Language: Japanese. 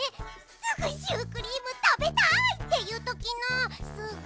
「すぐシュークリームたべたい！」っていうときの「すぐ」はね。